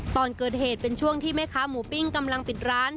ตอนเกิดเหตุเป็นช่วงที่แม่ค้าหมูปิ้งกำลังปิดร้าน